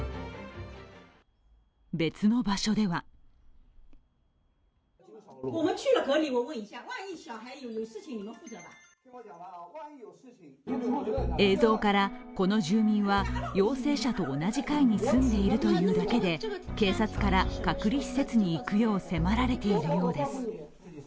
別の場所では影像からこの住民は陽性者と同じ階に住んでいるというだけで警察から、隔離施設に行くよう迫られているようです。